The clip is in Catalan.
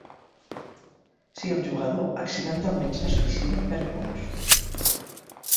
Si el jugador accidentalment se suïcida, perd punts.